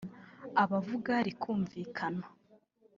abavuga rikumvikana